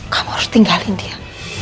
kamu harus tinggalin dia